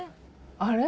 あれ？